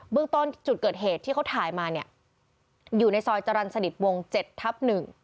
เรื่องต้นจุดเกิดเหตุที่เขาถ่ายมาเนี่ยอยู่ในซอยจรรย์สนิทวง๗ทับ๑